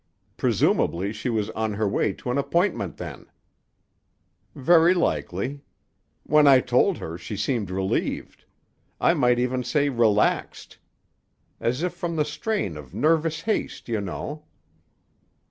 "Presumably she was on her way to an appointment, then." "Very likely. When I told her, she seemed relieved; I might even say relaxed. As if from the strain of nervous haste, you know."